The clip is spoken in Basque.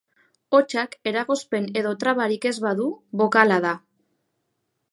Hotsak eragozpen edo trabarik ez badu bokala da.